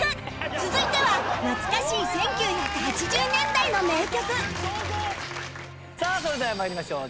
続いては懐かしい１９８０年代の名曲さあそれでは参りましょう。